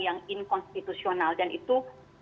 yang inkonstitusional dan itu